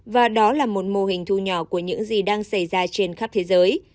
và đó là một mô hình thu nhỏ của những gì đang xảy ra trên khắp thế giới